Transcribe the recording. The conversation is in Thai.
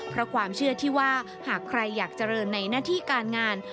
เพราะความเชื่อที่ว่าหากใครอยากเจริญในหน้าที่การงาน